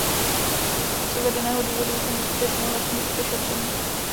Z uvedeného důvodu jsem uskutečnil vlastní přešetření.